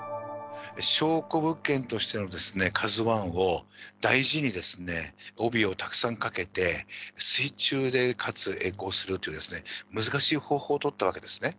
証拠物件としてのＫＡＺＵＩを大事に帯をたくさんかけて、水中で、かつえい航するっていう難しい方法を取ったわけですね。